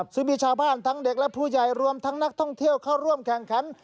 ซึ่งมีชาวบ้านทั้งเด็กและผู้ใหญ่รวมทั้งนักท่องเที่ยวเข้าร่วมแข่งขัน